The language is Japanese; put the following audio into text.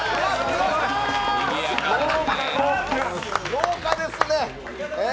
豪華ですね。